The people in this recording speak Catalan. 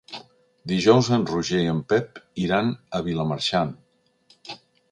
Dijous en Roger i en Pep iran a Vilamarxant.